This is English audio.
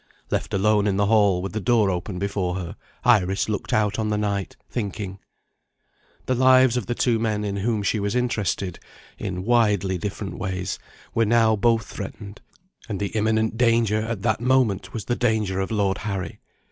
Left alone in the hall, with the door open before her, Iris looked out on the night, thinking. The lives of the two men in whom she was interested in widely different ways were now both threatened; and the imminent danger, at that moment, was the danger of Lord Harry.